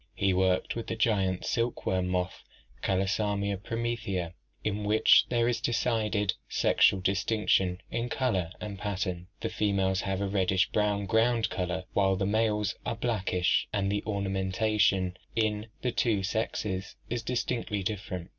He worked with the giant silk worm moth Callosamia promethea, in which there is decided sexual distinction in color and pattern. The females have a reddish brown ground color, while the males are blackish, and the ornamentation in the two sexes is distinctly different.